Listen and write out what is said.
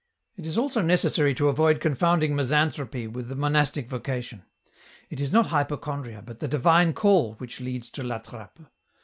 '* It is also necessary to avoid confounding misanthropy with the monastic vocation ; it is not hypochondria, but the divine call, which leads to La Trappe.